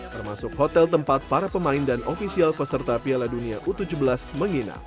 termasuk hotel tempat para pemain dan ofisial peserta piala dunia u tujuh belas menginap